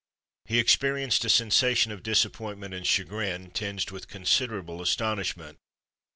He experienced a sensation of disappointment and chagrin, tinged with considerable astonishment.